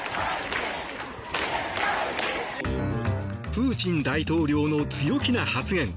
プーチン大統領の強気な発言。